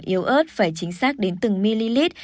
yếu ớt phải chính xác đến từng millilit